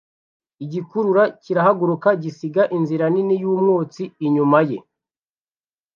Igikurura kirahaguruka gisiga inzira nini yumwotsi inyuma ye